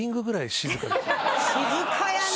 静かやね！